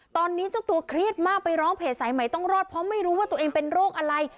ตอนนี้เจ้าตัวเครียดมากไปร้องเพจสายใหม่ต้องรอดเพราะไม่รู้ว่าตัวเองเป็นโรคอะไร